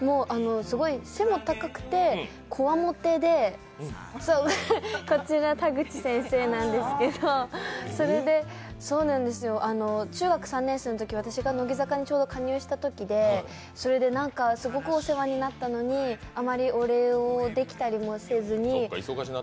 背も高くてこわもてでこちら田口先生なんですけど、中学３年生のとき、私が乃木坂にちょど加入したときですごくお世話になったのに、あまりお礼をできたりもせずに。